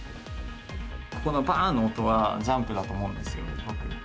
ここのばーん！の音はジャンプだと思うんですよ。